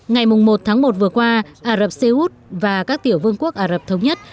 ngày một tháng một vừa qua ả rập xê út và các tiểu vương quốc ả rập thống nhất